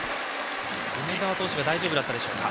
梅澤投手は大丈夫だったでしょうか。